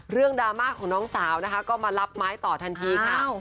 ดราม่าของน้องสาวนะคะก็มารับไม้ต่อทันทีค่ะ